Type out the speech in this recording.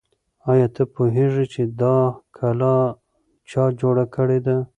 آیا ته پوهېږې چې دا کلا چا جوړه کړې ده؟